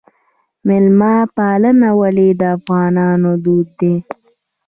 میلمه پالنه ولې د افغانانو دود دی؟